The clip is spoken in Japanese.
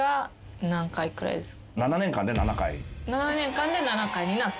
７年間で７回になった。